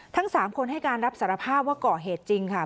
ทั้ง๓คนให้การรับสารภาพว่าก่อเหตุจริงค่ะ